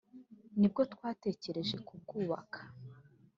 nibwo twatekereje kubwubaka